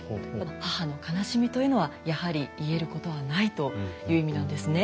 「母の悲しみというのはやはり癒えることはない」という意味なんですね。